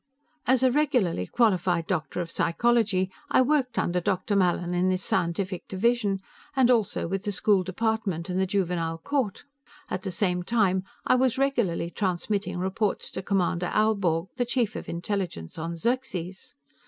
"As a regularly qualified doctor of psychology, I worked under Dr. Mallin in the scientific division, and also with the school department and the juvenile court. At the same time I was regularly transmitting reports to Commander Aelborg, the chief of Intelligence on Xerxes.